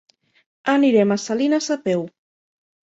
Anirem a Salines a peu.